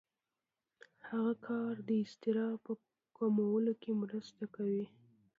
هغه کار د اضطراب په کمولو کې مرسته کوي.